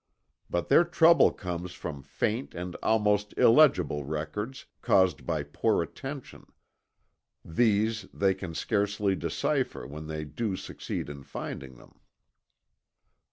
But their trouble comes from faint and almost illegible records, caused by poor attention these they can scarcely decipher when they do succeed in finding them.